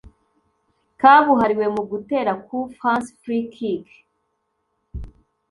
Kabuhariwe mu gutera coup flanc/free kick